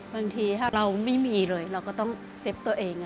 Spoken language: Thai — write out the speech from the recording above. บางทีถ้าเราไม่มีเลยเราก็ต้องเซฟตัวเอง